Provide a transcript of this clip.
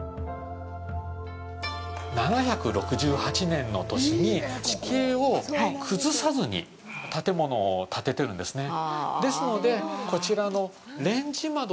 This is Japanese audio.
７６８年の年に、地形を崩さずに建物を建ててるんですね。